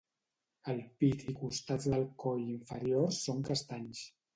El pit i costats de coll inferiors són castanys.